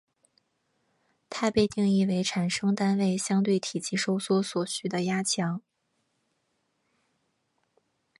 它被定义为产生单位相对体积收缩所需的压强。